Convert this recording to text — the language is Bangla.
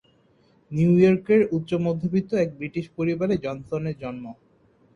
নিউ ইয়র্কের উচ্চ-মধ্যবিত্ত এক ব্রিটিশ পরিবারে জনসনের জন্ম।